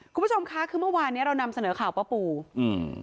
คุณผู้ชมคะคือเมื่อวานเนี้ยเรานำเสนอข่าวป้าปูอืม